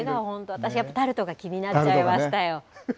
私、やっぱりタルトが気になっちゃいましたよ。